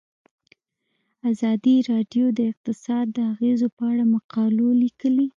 ازادي راډیو د اقتصاد د اغیزو په اړه مقالو لیکلي.